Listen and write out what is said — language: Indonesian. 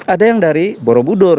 ada yang dari borobudur